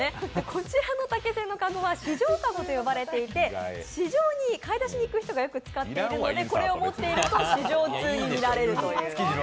こちらの竹製のかごは市場かごと呼ばれていて市場に買い出しに行く人がよく使っているので、これを持っていると築地ツウになれるという。